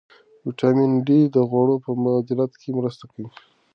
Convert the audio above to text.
ویټامین ډي د غوړو په مدیریت کې مرسته کوي.